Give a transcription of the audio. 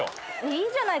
いいじゃない。